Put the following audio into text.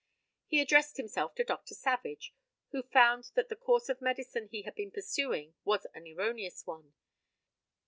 He addressed himself to Dr. Savage, who found that the course of medicine he had been pursuing was an erroneous one.